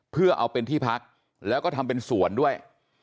เพื่อเอาเป็นที่พักแล้วก็ทำเป็นสวนด้วย